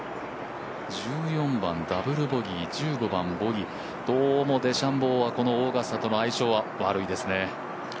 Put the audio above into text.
１４番ダブルボギー１５番ボギーどうもデシャンボーはこのオーガスタとの相性は悪いですね。